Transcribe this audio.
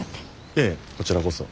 いえこちらこそ。